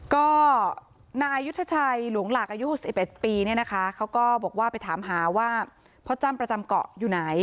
ก็นายยุทธชัยหลวงหลากอายุ๖๑ปีเนี่ยนะคะเขาก็บอกว่าไปถามหาว่าพ่อจ้ำประจำเกาะอยู่ไหน